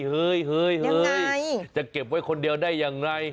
เฮ้ยจะเก็บไว้คนเดียวได้อย่างไร